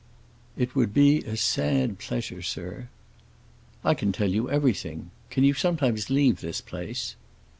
"It would be a sad pleasure, sir." "I can tell you everything. Can you sometimes leave this place?"